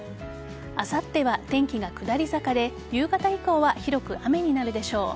あさっては天気が下り坂で夕方以降は広く雨になるでしょう。